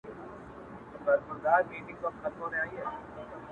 د تورو زلفو په هر تار راته خبري کوه.